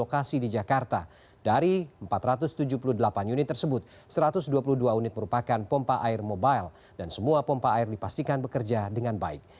lokasi di jakarta dari empat ratus tujuh puluh delapan unit tersebut satu ratus dua puluh dua unit merupakan pompa air mobile dan semua pompa air dipastikan bekerja dengan baik